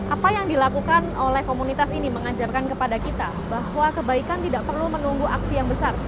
apa yang dilakukan oleh komunitas ini mengajarkan kepada kita bahwa kebaikan tidak perlu menunggu aksi yang besar